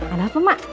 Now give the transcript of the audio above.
ada apa mak